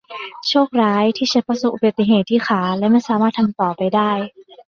โชคร้ายที่ฉันประสบอุบัติเหตุที่ขาและไม่สามารถทำต่อไปได้